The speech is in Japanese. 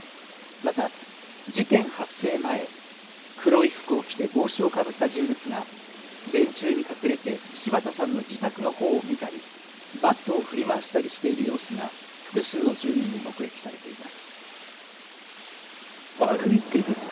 また事件発生前、黒い服を着て帽子をかぶった人物が電柱に隠れて柴田さんの自宅のほうを見たり、バットを振り回したりしている様子が複数の住民に目撃されています。